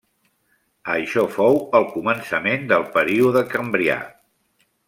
Això fou el començament del període Cambrià.